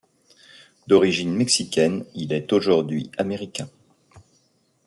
D'origine mexicaine, il est aujourd'hui américain.